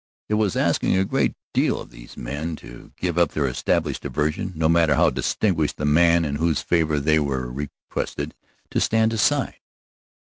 It was asking a great deal of those men to give up their established diversion, no matter how distinguished the man in whose favor they were requested to stand aside.